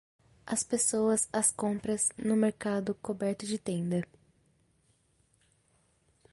As pessoas às compras no mercado coberto de tenda.